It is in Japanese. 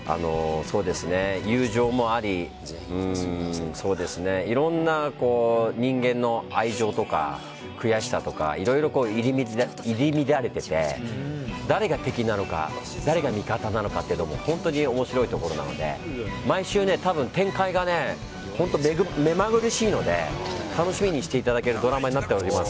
友情もありいろんな人間の愛情とか悔しさとかいろいろ入り乱れていて誰が敵なのか誰が味方なのかというのも本当に面白いところなので毎週、展開が目まぐるしいので楽しみにしていただけるドラマになっております。